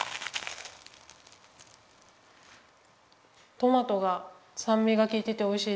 トマトがさんみがきいてておいしいです。